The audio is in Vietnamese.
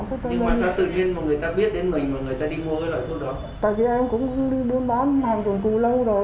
nhưng mà sao tự nhiên mà người ta biết đến mình mà người ta đi mua cái loại thuốc đó